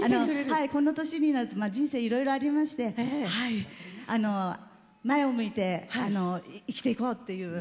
この年になって人生いろいろありまして前を向いて生きていこうっていう。